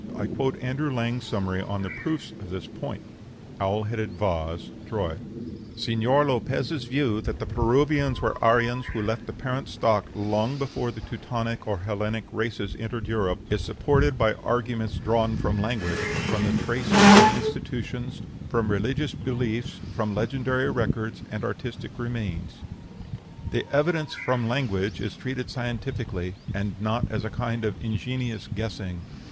I quote Andrew Lang's summary of the proofs on this point: OWL HEADED VASE, TROY "Señor Lopez's view, that the Peruvians were Aryans who left the parent stock long before the Teutonic or Hellenic races entered Europe, is supported by arguments drawn from language, from the traces of institutions, from religious beliefs, from legendary records, and artistic remains. The evidence from language is treated scientifically, and not as a kind of ingenious guessing.